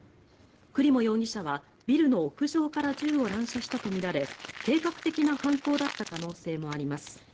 クリモ容疑者は、ビルの屋上から銃を乱射したとみられ計画的な犯行だった可能性もあります。